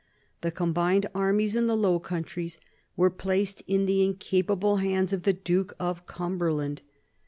The combined armies in the Low Countries were placed in the incapable hands of the Duke of Cumberland.